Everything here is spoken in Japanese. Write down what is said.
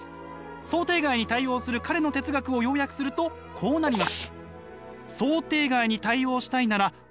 想定外に対応する彼の哲学を要約するとこうなります。